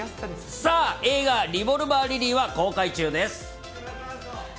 映画、リボルバー・リリーは現在、公開中です。